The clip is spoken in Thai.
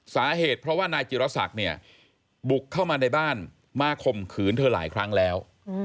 สาเหตุเพราะว่านายจิรษักเนี่ยบุกเข้ามาในบ้านมาข่มขืนเธอหลายครั้งแล้ว